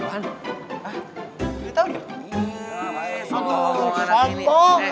satu orang ini